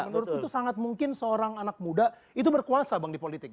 menurutku itu sangat mungkin seorang anak muda itu berkuasa bang di politik